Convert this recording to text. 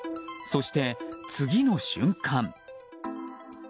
そして、次の瞬間。